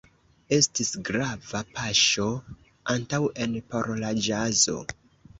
Estis grava paŝo antaŭen por la ĵazo.